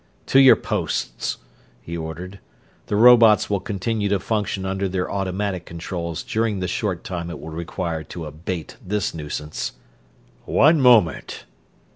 "To your posts," he ordered. "The robots will continue to function under their automatic controls during the short time it will require to abate this nuisance." "_One moment!